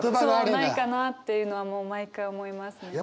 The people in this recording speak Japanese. ないかなっていうのはもう毎回思いますね。